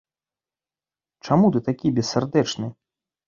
Чаму ты такі бессардэчны?